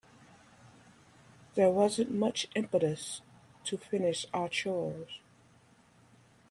There wasn't much impetus to finish our chores.